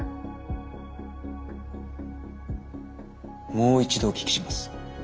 もう一度お聞きします。